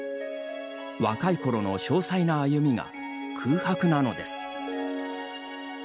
若いころの詳細な歩みが空白なのです。